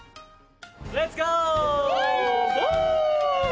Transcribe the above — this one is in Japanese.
レッツゴー！